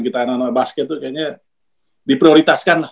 kita anak anak basket itu kayaknya diprioritaskan lah